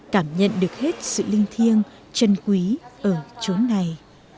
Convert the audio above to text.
cảm nhận được hết sự linh thiêng trân quý ở chỗ này